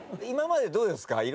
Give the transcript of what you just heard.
今までどうですか？